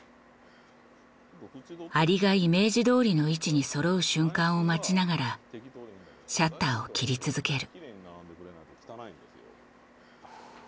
蟻がイメージどおりの位置にそろう瞬間を待ちながらシャッターを切り続ける。